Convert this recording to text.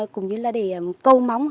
cũng như là để câu móng